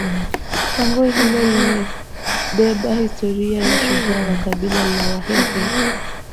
pango hilo limebeba historia ya shujaa wa kabila la wahehe